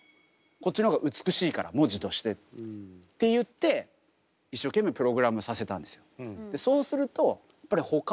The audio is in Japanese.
こっちの方が美しいから文字として。って言って一生懸命プログラムさせたんですよ。